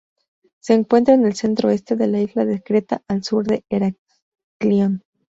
Se encuentra en el centro-este de la isla de Creta, al sur de Heraclión.